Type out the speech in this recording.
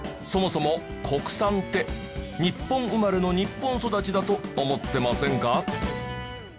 そもそも国産って日本生まれの日本育ちだと思ってませんか？